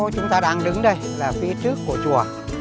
chúng ta đang đứng đây là phía trước của chùa